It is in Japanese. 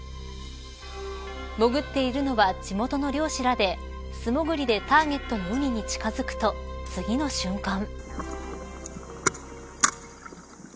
潜っているのは地元の漁師らで素潜りでターゲットのウニに近づくと、次の瞬間。